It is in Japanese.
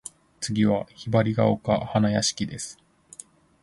次は雲雀丘花屋敷（ひばりがおかはなやしき）です。